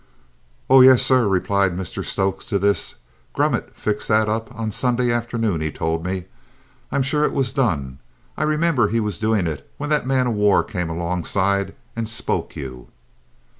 "Oh, yes, sir," replied Mr Stokes to this. "Grummet fixed that up on Sunday afternoon, he told me. I am sure it was done. I remember he was doing it when that man of war came alongside and spoke you."